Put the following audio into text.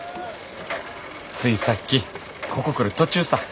ついさっきここ来る途中さぁ。